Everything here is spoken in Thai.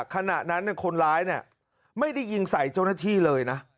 ขณะนั้นคนร้ายไม่ได้ยิงใส่เจ้าหน้าที่เลยนะ